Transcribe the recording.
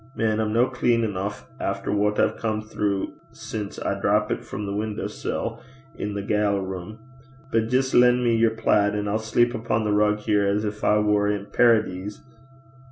Man, I'm no clean eneuch efter what I've come throu sin' I drappit frae the window sill i' the ga'le room. But jist len' me yer plaid, an' I'll sleep upo' the rug here as gin I war i' Paradees.